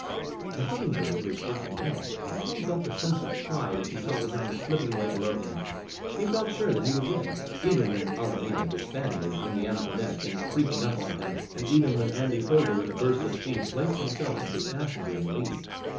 The Humming Bird was working well, and Tom felt a sense of pride as he saw the ground slipping away below him. He felt sure that he would win, even when Alameda, the Spaniard, in the Antoinette, came creeping up on him, and even when Andy Foger, with a burst of speed, placed himself and his passenger in the lead.